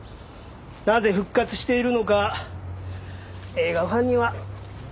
なぜ復活しているのか映画ファンには。